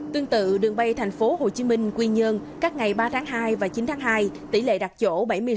tương tự đường bay tp hcm quy nhơn các ngày ba tháng hai và chín tháng hai tỷ lệ đặt chỗ bảy mươi sáu bảy mươi tám